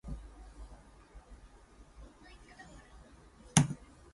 Benson of Streator, Illinois, the railroad's general freight manager.